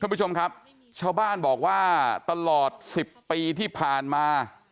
คุณผู้ชมครับชาวบ้านบอกว่าตลอด๑๐ปีที่ผ่านมา